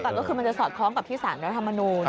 แต่ก็คือมันจะสอดคล้องกับที่สารรัฐมนูล